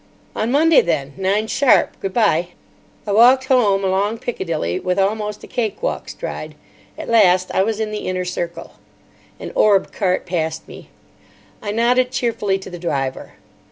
"On Monday, then. Nine sharp. Good bye." I walked home along Piccadilly with almost a cake walk stride. At last I was in the inner circle. An Orb cart passed me. I nodded cheerfully to the driver.